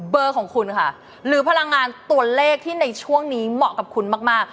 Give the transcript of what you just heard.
ของคุณค่ะหรือพลังงานตัวเลขที่ในช่วงนี้เหมาะกับคุณมาก